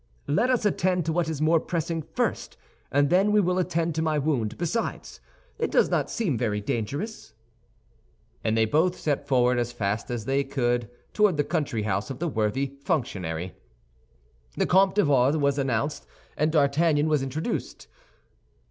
Let us attend to what is more pressing first, and then we will attend to my wound; besides, it does not seem very dangerous." And they both set forward as fast as they could toward the country house of the worthy functionary. The Comte de Wardes was announced, and D'Artagnan was introduced.